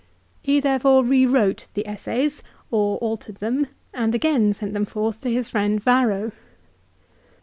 He therefore re wrote the essays, or altered them, and again sent them forth to his friend Varro.